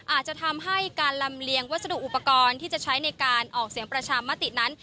อาจจะทำให้การลำเลียงวัสดุอุปกรณ์ที่จะใช้ในการออกเสียงประชามตินั้น